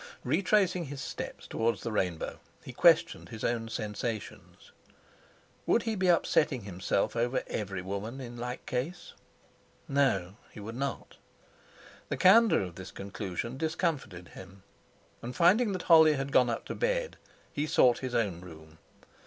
Retracing his steps towards the Rainbow he questioned his own sensations. Would he be upsetting himself over every woman in like case? No! he would not. The candour of this conclusion discomfited him; and, finding that Holly had gone up to bed, he sought his own room.